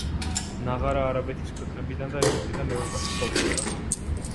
ნაღარა არაბეთის ქვეყნებიდან და ეგვიპტიდან ევროპაშიც გავრცელდა.